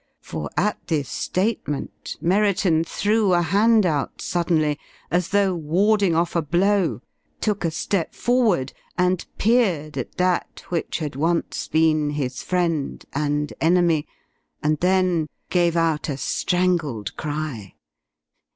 For at this statement, Merriton threw a hand out suddenly, as though warding off a blow, took a step forward and peered at that which had once been his friend and enemy and then gave out a strangled cry.